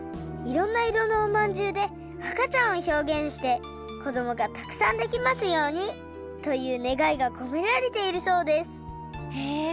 いろんないろのおまんじゅうであかちゃんをひょうげんしてこどもがたくさんできますようにというねがいがこめられているそうですへえ！